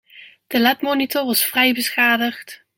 De LED monitor was vrij beschadigd.